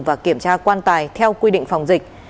và kiểm tra quan tài theo quy định phòng dịch